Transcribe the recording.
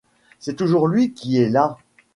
C’est toujours lui qui est là.